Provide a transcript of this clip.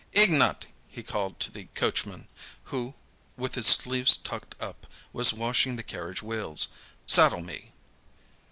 "Ignat!" he called to the coachman, who, with his sleeves tucked up, was washing the carriage wheels, "saddle me...."